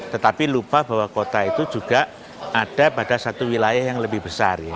tetapi lupa bahwa kota itu juga ada pada satu wilayah yang lebih besar